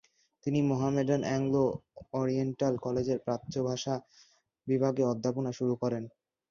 তিনি Mohammedan Anglo Oriental কলেজের প্রাচ্য ভাষা বিভাগে অধ্যাপনা শুরু করেন।